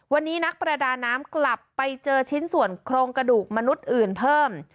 วันนี้นักประดาน้ำกลับไปเจอชิ้นส่วนโครงกระดูกมนุษย์อื่นเพิ่ม